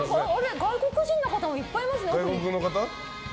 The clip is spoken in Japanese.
外国人の方もいっぱいいますね。